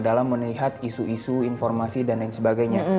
dalam melihat isu isu informasi dan lain sebagainya